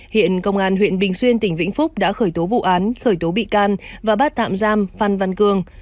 hiện công an huyện bình xuyên tỉnh vĩnh phúc đã khởi tố vụ án khởi tố bị can và bắt tạm giam phan văn cường